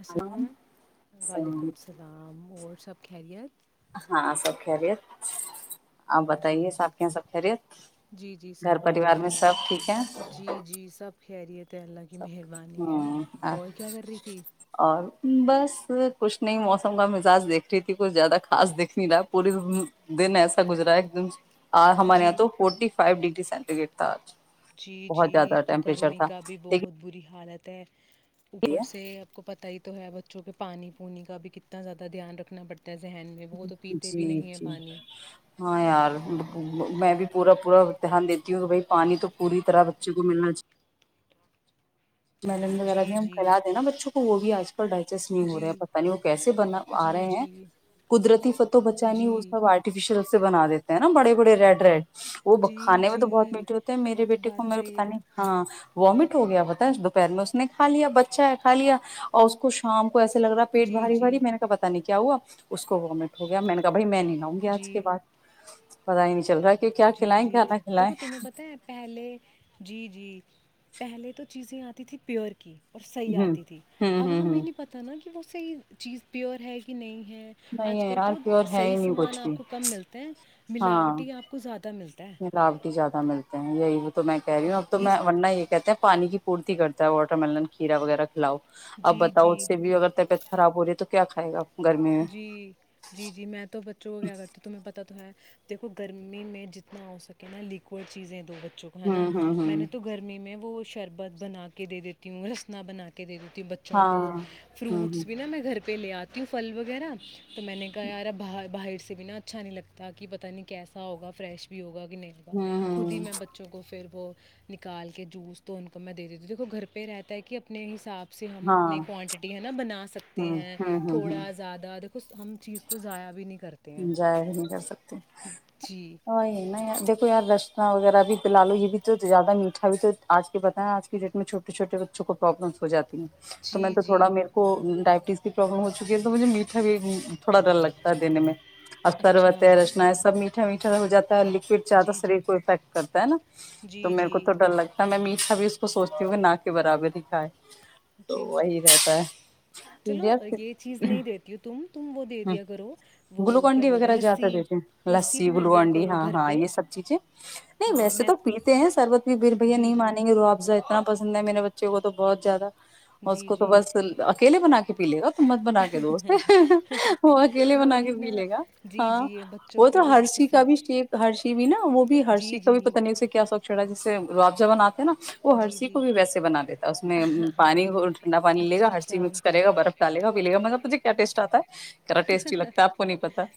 السلام اللام علیکم السلام وعلیکم علیکم السلام اور سب خیریت ہاں سب خیریت اپ جی بتائیے جی اپ کیا سب خیریت جی جی گھر سب پروار الحمد میں للہ سب ٹھیک ہیں جی جی سب خیریت اللہ کی مہربانی ہے ہ اور کیا کر رہی تھی اور بس کچھ نہیں موسم کا مزاج دیکھ رہی تھی۔ کچھ زیادہ خاص دیکھ نہیں رہا۔ پوری دن ایسا گزرا ہے ایک دم۔۔۔ آ ہمارے یہاں جی تو فورٹی فائیو ڈگری۔۔۔۔۔۔۔ ڈگری تھا اج۔۔۔۔ جی بہت جی زیادہ تو ٹیمپریچر گرمی تھا کا بھی بہت لیکن بری۔۔۔ حالت ہے۔۔۔ اوپر سے آپ کو پتہ ہی۔۔۔۔ تو ہے بچوں کے پانی پونی کا بھی کتنا زیادہ دھیان رکھنا پڑتا۔ ہے ذہن میں وہ تو پیتے بھی جی نہیں ہیں جی پانی ہاں یار۔۔۔ میں بھی پورا پورا دھیان دیتی ہوں کہ بھائی پانی تو پوری طرح بچے کو ملنا چاہیے۔۔۔ میلن وغیرہ جی بھی ہم جی کھلا دیں نا بچوں کو وہ بھی آج کل ڈائجسٹ نہیں ہو جی رہے ہیں۔ پتہ نہیں وہ کیسے بنا آ جی رہے ہیں جی قدرتی پھل تو بچا نہیں۔ وہ جی سب آرٹیفیشیل۔۔۔ بنا دیتے ہیں نا بڑے بڑے ریڈ ریڈ۔۔۔ وہ جی کھانے میں تو بہت جی میٹھے ہوتے ہیں۔ وہ میرے تو بیٹے کو بات میرے کو صحیح پتا ہے نہیں ہاں۔۔۔ وامٹ ہو گیا پتہ ہے۔۔۔ دوپہر میں اس نے کھا لیا۔ بچہ ہے کھا لیا اور اس کو شام کو۔۔۔ ایسے لگ رہا پیٹ جی بھاری بھاری جی میں نے کا پتا نہیں کیا ہوا۔۔۔ اس کو وامٹ ہو گیا میں نے کا۔۔۔ بھائی میں نہیں لاؤں گی آج کے جی بعد۔ پتا ہی نہیں چل رہا۔۔۔ کہ کیا جی کھلائیں جی کیا نہ کھلائیں دیکھو تمہیں پتا ہے پہلے جی جی۔۔۔ پہلے تو چیزیں آتی تھی پیور کی۔۔۔ اور صحیح ہ آتی تھی۔ ہ اب ہ ہمیں ہ نہیں پتاہ نا کہ۔۔۔ کہ وہ صحیح چیز پیور ہے کہ نہیں۔۔۔ ہیں نہیں آج ہے کل یار تو پیور ہے صحیح ہی نہیں سامان کچھ بھی آپ کو کم ملتے ہیں۔۔۔ ہاں ملاوٹی آپ۔۔۔ کو زیادہ ملتا ہے ملاوٹی زیادہ ملتے ہیں یہی۔۔۔ تو میں کہہ رہی ہوں یہ اب تو میں اس ورن یہ کہتے ہیں پانی کی۔۔۔۔ الٹی کرتا ہے واٹر ملن، کھیرا وغیرہ کھلاؤ۔۔۔ اب جی بتاؤ جی اس سے بھی اگر طبیعت خراب ہو رہی ہے تو۔۔۔ کیا کھائے گا۔۔۔ گرمی میں جی جی جی میں تو ب۔۔۔ کیا کر تی تمہیں پتا تو ہے۔۔ دیکھو گرمی میں جتنا ہو سکے نا لکوڈ چیزیں دو۔۔۔ ہے نا ہوں ہوں میں ہوں نے تو گرمی میں۔۔۔ کوئی شربت بناکے دیتی ہو رسنا بناکے دیتی ہو [unintelligible] بچو کو ہاں ہوں فروٹس ہوں بھی نا مین گھر وی لی اتی ہو فل وگیرہ مینے کہا یار اب باہ باحر سی سی بھی نا اچھا نی لگتا پتا نی کیسا ہوگا فریس بھی ہوگا کی نی نی ہوں خود ہی ہوں مین بچو کو پھر نکال کے جوس تو مین انکو دے دیتی ہو گھر پہ یی رہتا ہے کی اپنے حساب سی ہم ہاں اپنی کوانٹیٹی ہے نا بنا سکتے ہوں ہے ہوں ہوں تھوڈا ہوں جیاد اس چیز کو جایا بھی نی جایا نی کر سکتے جی ہ دیکھو یار واگیرہ بھی تو پیلا لو یی بھی تو جیدا میٹھا بھی تو آج کی ڈیٹ مے چھوٹے چھوٹے بچو کو پروبلم ہو جاتی ہے تو مین جی تو تھوڈا جی میرکو اسقی پروبلم ہو چکی ہے تو موجھے تھوڈا ڈر لگتا ہے میٹھا دینے مے عطروت اچھا ہے رسنا ہے صب میٹھے مے [unintelligible] پھر جیدا جی جی شریر کو ایفیکٹ کرتا ہے نا تو جی میکو جی تو ڈر لگتا ہے میی جیدا میٹھا تبھی اسکو سوچتی ہو میی نا کے برابر ہی کھائے جی تو جی وہی رہتا ہے چلو یے چیج یار۔ نہیں دیتی ہو تم، تم وو دے دیا کرو وہ گلوکون کیا ڈی بولتے ہیں واگیرہ لسی جیدا دیتے ہے ہا ہا لسی لسسی، بنا دیا گلوکون ڈی کرو گھر پہ نہیں پیتے ہے ہاں ویسے میں تو شربت واگیرہ پھر بھیا جی نی جی مانینگے روح افزا اتنا پسند ہے میرے بچے کو تو بہوت جیدا جی اسکو تو جی بس اکیلے بنا کے پی لیگا مت بنا کے دو اس پہ وو اکیلے بنا کے وہی نا پیلیگا جی جی ہا یہ بچوں وہ تو کی جب ہرشی کا بھی پسند شیک ہرشی مینا وو بھی جی ہرشی کا جی بھی پتا نی اسے کیا شوک چڈھا ہے گلاب جامن اتے ہے نا وہ جی ہرشی کو جی بھی ویسے بنا دیتا ہے اسمے پانی اور ٹھنڈا پانی لیگا اچھا ہرشی اچھا مکس کرےگا برف ڈالیگا پی لیگا متلب مجھے کیا ٹیسٹ اتا ہے کرا ٹیسٹی لگ پتا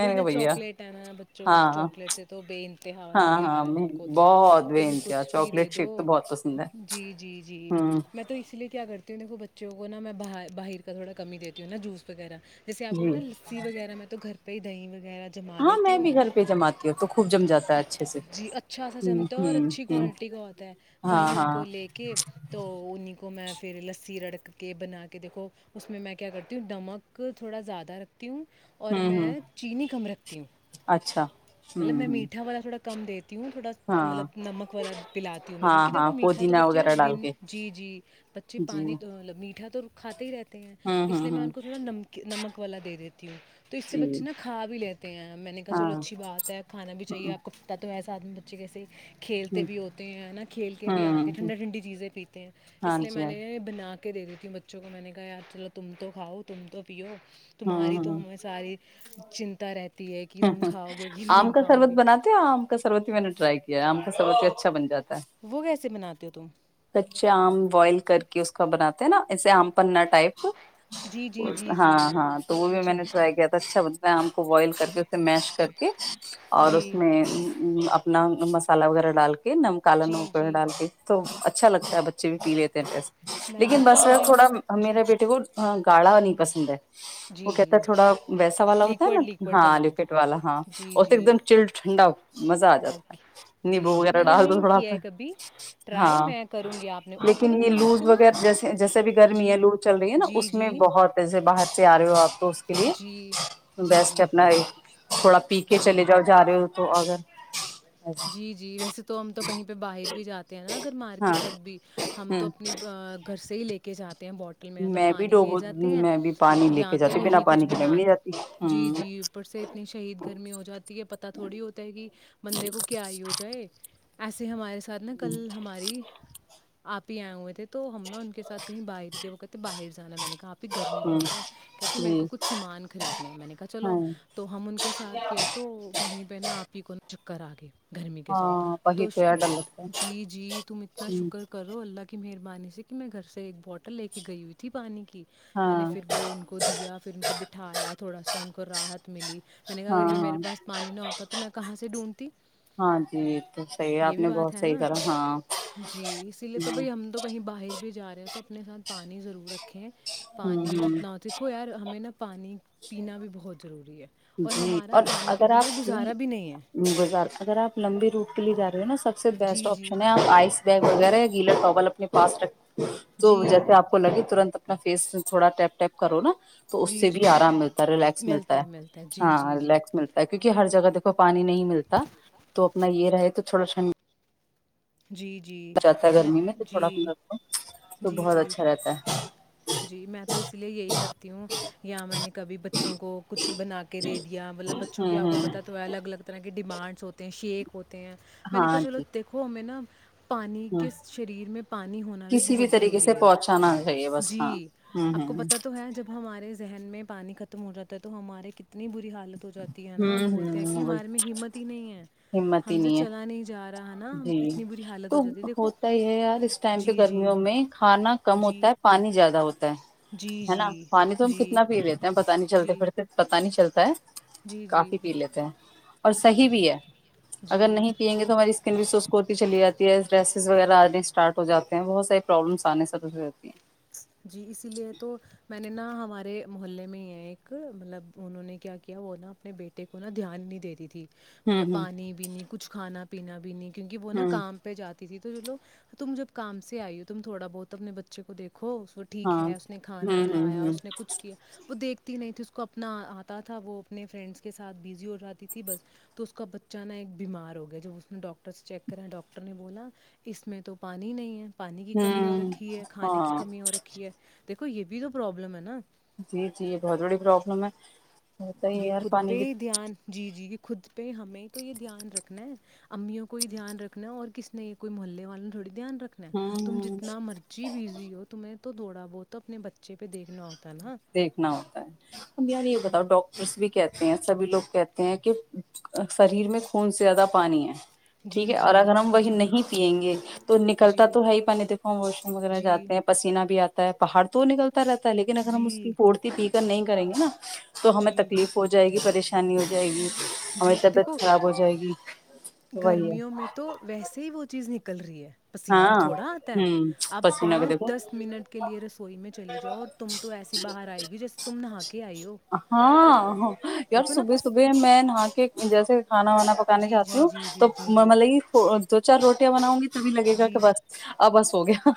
وہی نا چاکلیٹ ہے نا بچوں کو ہاں چاکلیٹ سے تو بے انتہا والا ہاں پی آ ہاں رہا ہے میں ان کو تو بہت بے تم انتہا کچھ بھی دے چاکلیٹ دو شیک تو بہت پسند ہے جی جی جی ہوں میں تو اسی لیے کیا کرتی ہوں کو ب جو نا میں باہر باہر کا تھوڑا کمی دیتی ہوں نا جوس وغیرہ جیسے آپ کو جی پتا لسی وغیرہ میں تو گھر پ پئی دہیں میں وہ جم ہاں لیتی میں ہوں بھی گھر پہ جماتی ہوں تو خوب جم جاتا ہے اچھے سے جی اچھا سا ہوں جمتا ہ اور ہوں اچھی ہوں کوالٹی کا ہوتا ہے ہاں وہی ان ہاں کو لے کے تو انہ کو میں پھر ل ر کے بنا کے دیکھو اس میں کیا کرتی ہوں نمک تھوڑا زیادہ رکھتی ہوں ہوں ہوں میں چینی کم رکھتی ہوں اچھا مطلب ہوں میں ہوں میٹا والا تھوڑا کم دی ہوں تھوڑا ہاں مطلب نمک والا پلاتی ہوں میں ہاں کیونکہ ہاں دیکو میٹھا تو پودینہ بچے وغیرہ ڈال دن کے جی جی بچے جی پانی ملب میٹھا کھاتے ہی رہتے ہیں ہوں اس ہوں لیے میں ہوں ان کو تھوڑا نمک نمک والا دے دیتا ہ تو تو اس سے جی بچے ن کھا بھی لیتے ہیں میں نے کہا ہاں چلو اچھی ہ بات ہے کانا بھی چاہیے آپ کو پتتا تو ایسا ساتھ میں بچے کیسے کھیلتے بھی ہوتے ہیں نا کھیل کے بھی آتے ہیں ہوں ٹھنڈا ٹھنڈی چیزیں پیتے ہیں ہاں اس لیے جی میں ہاں نے بنا کے کے دے دیتی ہوں بچوں کو میں نے کہایار چلو تم تو کھاؤ تم تو پیو ہوں تمہاری تو ہوں ہمیں ساری چنتا رہتی ہے کہ تم کھاؤ گے کہ آم نہیں کا کھاؤ گے شربت بناتے ہو آم کا شربت ہی میں نے ٹرائی کیام سب اچھا بن جاتا ہے وہ کیسے بناتے ہو تم کچے آم بوائل کر کے اس کا بناتا نا اسے آم پنا ٹائپ جی جی جی ہاں جی ہاں تو وہ بھی میں اچھا نے اچھا ٹر کیا تھا اچھا بتا آم کو بوائل کر کے اسے میش کر کے اور جی اس میں اپنا مالا وغیرہ ڈالک نمکالا ن جی اپر جی ڈال دی تو اچا اچھا لگتا ہے بچے بھیی لیتے ہیں ڈریس میں نے لیکن نا بس میں کبھی تھوڑا جی میرے بیٹے کو ہاں گاالا نہیں پسند ہے وہ جی کہتا ہے جی تھوڑا ویسا والا ہوتا ہے لیکوڈ نا لیکوڈ ہاں بناؤ لکٹ والا ہاں جی اور تو جی ایک دم چل ٹھنڈا مزہ آ جاتا ہے اوکے جی نیمبو جی وغیرہ میں نے ڈال دو نہیں تھوڑا کیا سا ہے کبھی ٹرائی ہاں میں کروں گی آپ نے آپ کو لیکن پتہ یہ ہے آج لوز کل نا وغیرہ جیسے جیسے بھی گرمی ہے جی لوز چل رہی ہے نا جی اس میں جی بہت سے باہر سے آ رہے ہو آپ تو اس کے لیے جی جی بیسٹ ہے جی اپنا ایک تھوڑا پی کے جی چلے جاؤ جا رہے ہو تو اگر جی جی ویسے تو ہم تو کہیں پہ باہر بھی جاتے ہیں نا اگر ہاں مارکیٹ تقدیر ہم تو ہوں اپنی دہی لے کے جا رہی میں تو میں بھی پانی لے ڈوبو جاتے ہیں میں بھی پانی لے یا کے تو جاتی بنا یہی کچھ پانی کے میں بھی بنا نہیں جاتی جی ہوں جی اوپر سے اتنی شہید گرمی ہو جاتی ہے پتہ تھوڑی ہوتا ہے کہ بندے کو ہو جائے ایسے ہمارے اس کر لیں کل ہماری اپ بھی ائے ہوئے تھے تو ہم نا ان کے ساتھ کہیں باہر کے وقت باہر جانا ہے میں نے کہا اپ بھی گرمی ہوں بہت ہیں کہتی ہے میرے جی کو خود سامان خریدنا ہے میں نے کہا چلو ہاں تو ہم ان کے ساتھ گئے تو وہیں پہ نا اپ کی پر اگیا گرمی کے ساتھ ہاں وہی تو یار ڈر لگتا ہے جی جی تم اتنا ہ شکر کرو اللہ کی مانے سے کہ میں گھر سے ایک بٹل لے کے گئی تھی پانی کی میں نے ہاں پھر وہ ان کو دیا پھر ان کو بٹھایا تھوڑا سا ان کو راحت ملی میں نے کہا اگر ہاں یہ میرے ہاں پاس پانی نہ ہوتا تو میں کہاں سے ڈھونڈتی ہاں جی تو صحیح اپ یہ بھی نے بات بہت ہے صحیح نا کہا ہاں ابھی جا رہے ہو تو اپنے ساتھ پانی ضرور رکھیںں ہوں پانی ہوں جتنا ہوتا دیکھو یار ہمیں نا پانی پینا بھی بہت ضروری ہے اور ہمارا اور پانی کے اگر اپ بنا گزارا بھی نہیں ہے کوئی اگر اپ لمبی روٹ کے لیے جا رہے ہو نا اکثر بیسٹ جی جی اپشن ہے اپ ائز بیگ وغیرہ جیلا ٹاول اپنے ہاتھ رکھ کے تو جی جیسے اپ کو لگی اپنا فیس تھوڑا ٹیپ ٹیپ کرو نا تو اس جی سے بھی جی ارام ہوتا ہے ریلیکس ملتا ہے ہاں ریلیکس ملتا ہے کیونکہ ہر جگہ دیکھو پانی نہیں ملتا تو اپنا یہ رہے تو تھوڑا سا جی جی میں گرمی تو جی تھوڑا اپنا تو بہت جی اچھا رہتا ہے جی میں تو اسی لیے یہی کرتی ہوں یہاں میں نے کبھی بچوں کو کچھ بنا کے دے دیا مطلب بچوں کی ہوں اپ کو پتہ ہوں ہے تو الگ لگتا ہے کہ ڈیمانڈز ہوتے ہیں شیک ہوتے ہیں میں نے کہا ہاں چلو جی دیکھو نام پانی ہ کس شریر میں پانی ہونا بھی کسی بہت طریقے سے ضروری ہے پہنچانا چاہیے بس جی ہاں ہوں اپ کو ہوں پتہ تو ہے جب ہمارے ذہن میں پانی ختم ہو جاتا ہے تو ہمارے کتنی بری حالت ہو جاتی ہے نا ہم ہوں بولتے ہیں کہ ہوں وہی ہمارے میں ہمت ہی نہیں ہے ہمت ہی ہم سے چلا ہے نہیں جا رہا نا جی اتنی بری حالت تو ہو جاتی ہے دیکھو ہوتا ہی ہے یار اس ٹائم کے جی جی گرمیوں میں کھانا کم جی ہوتا ہے پانی زیادہ ہوتا جی ہے نا جی پانی تو ہم جی کتنا پی لیتے ہیں پتا نہیں چلتے جی پھرتے پتا نہیں چلتا پ جی جی کافی پی لیتے ہیں اور صحی بھی ہے اگر جی نہیں پئیں گے تو ہماری اسکن بھی سوسک ہوتی چلی جاتی ہے ڈریسز وغیرہ آنے اسٹارٹ ہو جاتے بہت ساری پرابلمس آنے سےے ہوتی ہیں جی اسی لیے تو میں میںنے نا ہمارے محلے میں ہی ہیں ایک مطلب انہوں نے کیا کیا وہ نا اپنے بیٹے کو نا دھیان نہیں دیتی تھی ہوں مطلب ہوں پانی بھی نہیں کچھ کھانا پینا بھی بنی کیونکہ وہ نا ہوں کام پہ جاتی تھی تو چلو تم جب کام سے آئی ہو تم تھوڑا بہت اپنے بچے کو دیکھ کھو وہ ٹھیک ہاں ہے اس نے کھانا ہوں کھایا ہوں ہوں اس نے کچھ کیا وہ دیکھ ی نہیں تھی اس کو اپنا آتا تھا وہ اپنے فرینڈس کے ساتھ بزی ہو جاتی تھی بس تو اس کا بچہ نا ایک بیمار ہو گیا جب اس نے ڈاکٹر سے چیک کرایا ڈاکٹر نے بولا اس میں تو پانی نہیں ہے پانی کی کمی ہو ہوں رکھی ہے کھانے کی ہاں کمی دیکھو یہ بھی تو پروبلم ہے ن جی جی یہ بہت بڑی پروابلم ہے ہوتا ہی ہے یہ یار خود پہ پانی کی ہی دھیان جی جی خود پہ ہمیں تو یہ دھیان رکھنا ہے امیوں کو یہ دھیان رکھنا ہے اور کس نے یہ کوئی محلے والوں نے تھوڑی دھیان رکھ رکھنا ہے ہاں تم ہاں جتنا مرضی بزی ہو تمہیں تو دوڑا وہ تو اپنے بچے پہ دیکھ دیکھنا ہوتا ہے باری بتاؤ ڈاکٹرس بھی کہتے ہیں سبھی لوگ کہتے ہیں کہ شریر میں خون سے زیادہ پانی ہے ٹھیک جی ہے اور جی اگر ہم وہی جی نہیں پیئیں گے تو نکلتا جی تو ہے ہی پانی دیکھو ہم واش روم وغیرہ جی جاتے ہیں پسینہ بھی آتا ہے پہاڑ تو نلتا رہتا ہے اگر ہم اس کی جی پھڑتی تھییک نہیں کریں گے نا تو ہمیں جی تکلیف ہو جائے گی پریشانی آسانی ہو جائے گی ہماری جی دیکھو طبیعت خراب ہو جائے گی تو وہی ہے گرمیوں میں تو ویسے ہی وہ چیز نک [unintelligible] پسیینہ ہاں تھوڑا آتا ہے ہوں اب پسینہ کا پانچ دیکھو دس منٹ کے لیے رسوئی میں چلی جاؤ اور تم تو ایسی باہر آئے گی جیسے تم نہا کے آئی ہو ہاں یار دیکھو نا صبح صبح میں نہا کے جیسے کھانا وانا پکانا جی چاہتا جی ہوں جی جی جی جی تو سوچا روٹیاں بناؤں گی جی [unintelligible] اب بس ہو گیا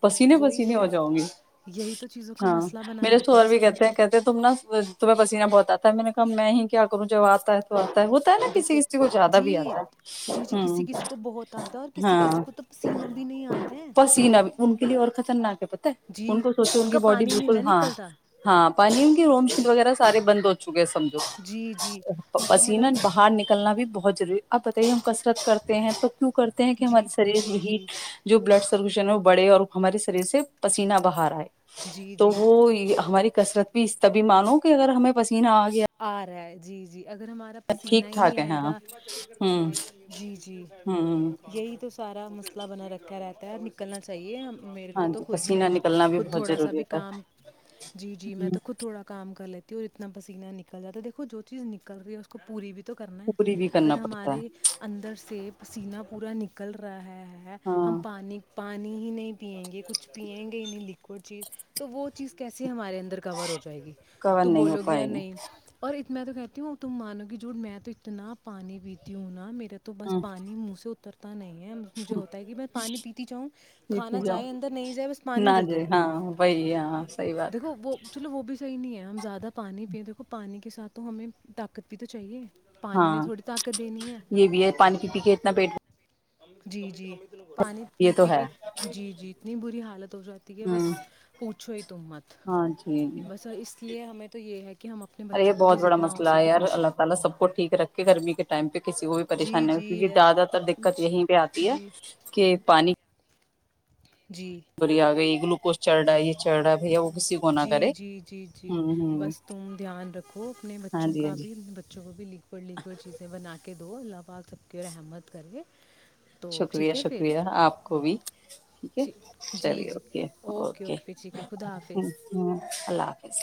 پسینے وہی پسینے ہو تو جاؤ گی یہی تو چیزوں کا ہاں مسئلہ بنا میرے رہتا ہے شوہر بھی سم کہتے ہیں کہتے ہیں تم نا تو میں پسینہ بہت اتا ہے میں نے کہا میں ہی کیا کروں جب اتا ہے تو اتا ہے ہوتا ہے نا دیکھو کسی سے وہ زیادہ بھی جی اتا جی جی ہے کسی کسی کو بہت آتا ہے اور کسی ہاں کسی کو تو پسینہ بھی نہیں آتا ہے ان کے لیے اور خطرناک ہے پت ہے ان جی کو سوتے ہوں گے کا باڈی پانی نہیں نہ بالکل ہاں نکلتا ہاں پانی ان کے وغیرہ سارے بند ہو سمجھو جی جی ان کو مطلب پسینا باہر نکلنا بھی بہت ضروری کرتے ہیں تو کیوں کرتے ہیں کہ جی ہماری سیریز جی میں جی جو بلڈ بڑے اور ہماری سرے سے پسینہ بہا رہا ہے جی تو جی وہ ہماری کثرت بھی طبی معنی اگر ہمیں پسینہ آ گیا ا رہا ہے جی جی اگر ہمارا پسینہ ٹھیک ہی نہیں ٹھاک ہے ائے ہاں گا ہوں جی جی ہوں یہی تو سارا مسئلہ مسئلہ بنا رکھا رہتا ہے نکلنا چاہیے میرے ہاں کو تو خود پسینہ میں نکلنا بھی خود بہت تھوڑا سا ضروری بھی ہوتا کام ہے جی جی میں تو خود تھوڑا کام کر لی کیوں اتنا پسینہ نہیں تو دیکھو جو چیز نکل رہی ہے اس کو پوری بھی تو کرنا ہے پوری بھی کرنا اگر پڑتا ہے ہماری اندر سے پسینہ پورا نکل رہا ہے ہیں ہم ہاں پانی پانی ہی نہیں پییں گی کچھ پییں گے انہیں لیکوڈ چیز تو وہ چیز کیسے ہمارے کور ہو جائے گی کور تم نہیں ہو بولو گی یا پائے اور اتنا تو کہتی ہوں تم مانو گے جھوٹ میں تو اتنا پانی پیتی ہوں نا میں تو بس ہ پانی منہ سے اترتا نہیں مجھے ہوتا ہے کہ میں پانی پیتی جاؤں کھانا جیتی جاؤ جائے اندر نہیں جائے بس نہ پانی دے دو جی ہاں وہی ہاں صحیح بات دیکھو وہ چلو وہ بھی صحیح نہیں ہے ہم زیادہ پانی پیے تو پانی کے ساتھ تو ہمیں طاقت بھی تو چاہیے پانی ہاں نے تھوڑی طاقت دینی ہے یہ بھی ہے پانی پی کے اتنا پیٹ جی جی پانی یہ تو پی ہے کے جی جی اتنی بری ہوں تو مت ہاں جی جی بس اس لیے ہمیں تو یہ ہے کہ ہم اپنے ارے یہ بچوں کو بھی بہت بڑا جتنا ہو مسئلہ ہے سکے یار کچھ اللہ تعالی سب کو ٹھیک رکھ کے گرمی کے ٹائم پہ کسی کو جی جی جی یہیں پہ اتی ہے جی کہ پانی جی تو یہ اگئی گلوکوز چڑھ رہا ہے بھیا وہ کسی کو نہ جی کرے جی جی ہوں ہوں بس تم دھیان رکھو اپنے ہاں بچوں جی ہاں کا جی بھی بچوں کو بھی لک پر لکھو چیزیں بنا اللہ پاک سب کے رحمت کر کے شکریہ شکریہ اپ کو بھی ٹھیک ہے جی چلی جی ہوتی ہے اوکے پھر ٹھیک ہے خدا حافظ اللہ حافظ